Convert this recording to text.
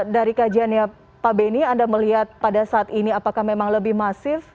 dari kajiannya pak beni anda melihat pada saat ini apakah memang lebih masif